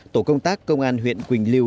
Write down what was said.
tổ công tác công an huyện quỳnh lưu